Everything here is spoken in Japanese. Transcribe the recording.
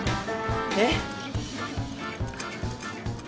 えっ？